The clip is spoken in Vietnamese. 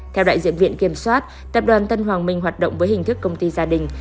theo đại diện viện kiểm soát tập đoàn tân hoàng minh hoạt động với hình thức công ty gia đình